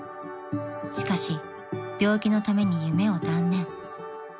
［しかし病気のために夢を断念］